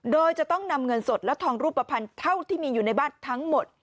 โดยจะต้องนำเงินสดและทองรูปภัณฑ์เท่าที่มีอยู่ในบ้านทั้งหมด